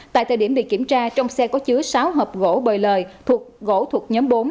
tại thời điểm bị kiểm tra trong xe có chứa sáu hộp gỗ bời lời thuộc gỗ thuộc nhóm bốn